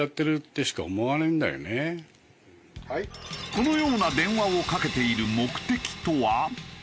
このような電話をかけている目的とは？